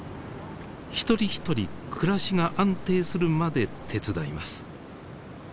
一人一人暮らしが安定するまで手伝います。